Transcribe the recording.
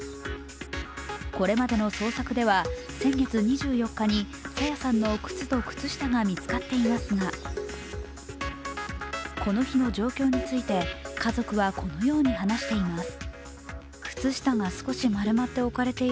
これまでの捜索では、先月２４日に朝芽さんの靴と靴下が見つかっていますがこの日の状況について家族は、このように話しています。